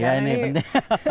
iya ini penting